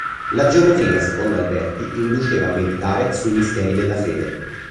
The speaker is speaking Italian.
La geometria secondo Alberti induceva a meditare sui misteri della fede.